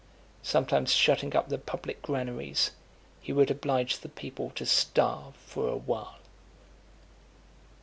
Sometimes shutting up the public granaries, he would oblige the people to starve for a while.